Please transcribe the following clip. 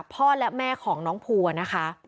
พ่อและแม่ของน้องภูนะคะ